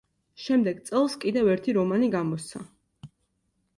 შემდეგ წელს კიდევ ერთი რომანი გამოსცა.